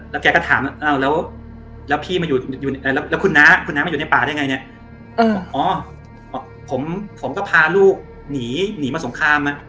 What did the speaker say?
แล้วแกก็ถามแล้วคุณน้าไม่อยู่ในป่าได้ไงผมก็พาลูกหนีมาสงคราม